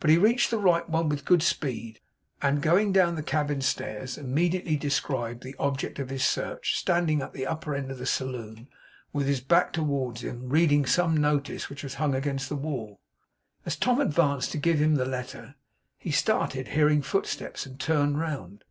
But he reached the right one with good speed, and going down the cabin stairs immediately, described the object of his search standing at the upper end of the saloon, with his back towards him, reading some notice which was hung against the wall. As Tom advanced to give him the letter, he started, hearing footsteps, and turned round.